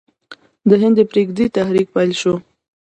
د هند پریږدئ تحریک پیل شو.